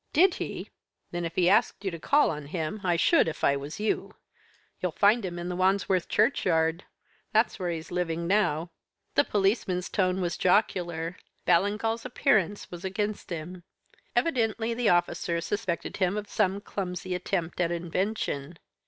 "'Did he? Then if he asked you to call on him, I should if I was you. You'll find him in Wandsworth Churchyard. That's where he is living now!' "The policeman's tone was jocular, Ballingall's appearance was against him. Evidently the officer suspected him of some clumsy attempt at invention.